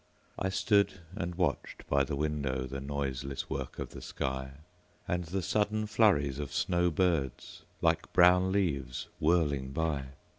I stood and watched by the windowThe noiseless work of the sky, And the sudden flurries of snow birds, Like brown leaves whirling by.